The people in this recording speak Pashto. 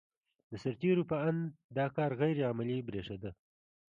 د سرتېرو په اند دا کار غیر عملي برېښېده.